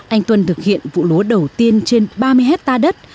anh tuân thực hiện vụ lúa đầu tiên trên ba mươi hectare đất